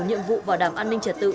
nhiệm vụ vào đảm an ninh trả tự